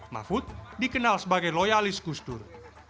mahfud dikenal sebagai loyalis gusdur